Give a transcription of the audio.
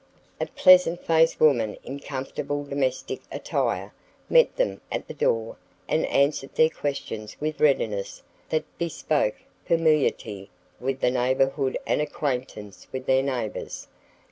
A pleasant faced woman in comfortable domestic attire met them at the door and answered their questions with a readiness that bespoke familiarity with the neighborhood and acquaintance with her neighbors.